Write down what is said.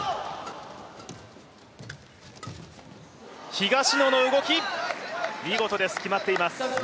東野の動き、見事です、決まっています。